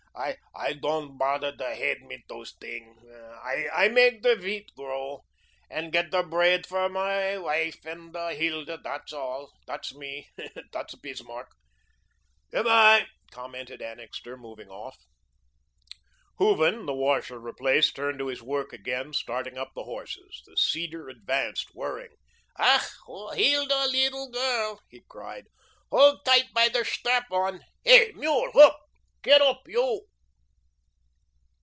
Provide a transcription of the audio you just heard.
I doand bodder der haid mit dose ting. I maig der wheat grow, und ged der braid fur der wife und Hilda, dot's all. Dot's me; dot's Bismarck." "Good bye," commented Annixter, moving off. Hooven, the washer replaced, turned to his work again, starting up the horses. The seeder advanced, whirring. "Ach, Hilda, leedle girl," he cried, "hold tight bei der shdrap on. Hey MULE! Hoop! Gedt oop, you."